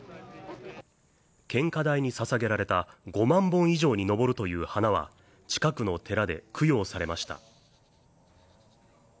献花台にささげられた５万本以上に上るという花は近くの寺で供養されました。